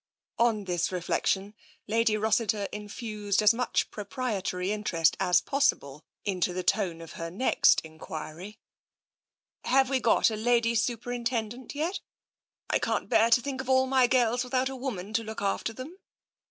On this reflection. Lady Rossiter infused as much proprietary interest as possible into the tone of her next enquiry. €( 6 TENSION " Have we got a Lady Superintendent yet ? I can't bear to think of all my girls without a woman to look after them.